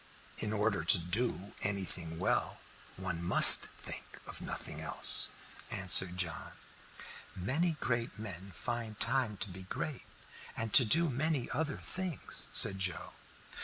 "In order to do anything well, one must think of nothing else," answered John. "Many great men find time to be great and to do many other things," said Joe.